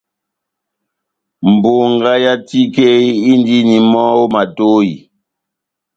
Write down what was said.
Bongá yá tike indini mɔ́ ó matohi.